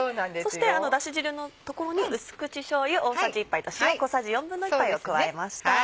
そしてだし汁の所に淡口しょうゆ大さじ１杯と塩小さじ１／４杯を加えました。